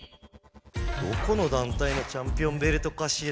どこのだんたいのチャンピオンベルトかしら？